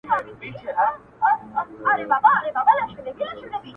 ما خو په دې ياغي وطـــــن كــــي يــــــــاره!!